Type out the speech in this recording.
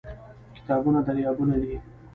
کتابونه دريابونه دي